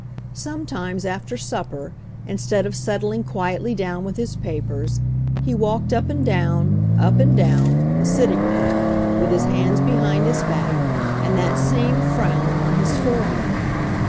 Sometimes after supper, instead of settling quietly down with his papers, he walked up and down, up and down, the sitting room, with his hands behind his back and that same frown on his forehead.